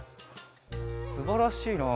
すばらしいな。